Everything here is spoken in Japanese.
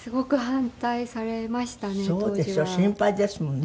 心配ですもんね。